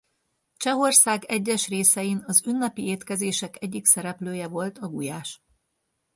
Csehország egyes részein az ünnepi étkezések egyik szereplője volt a gulyás.